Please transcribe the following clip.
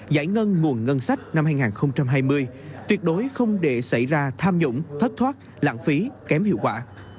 giải ngân nguồn ngân sách năm hai nghìn hai mươi tuyệt đối không để xảy ra tham nhũng thất thoát lãng phí kém hiệu quả